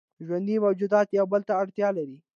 ژوندي موجودات یو بل ته اړتیا لري